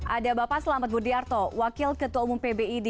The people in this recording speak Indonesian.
ada bapak selamat budiarto wakil ketua umum pbid